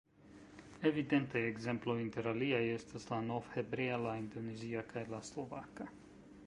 Evidentaj ekzemploj, inter aliaj, estas la novhebrea, la indonezia kaj la slovaka.